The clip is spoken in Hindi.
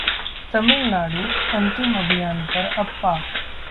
तमिलनाडुः अंतिम अभियान पर अप्पा